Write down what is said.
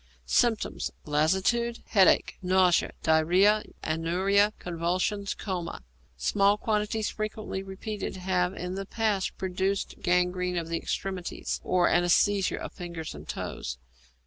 Symptoms. Lassitude, headache, nausea, diarrhoea, anuria, convulsions, coma. Small quantities frequently repeated have in the past produced gangrene of the extremities, or anæsthesia of fingers and toes.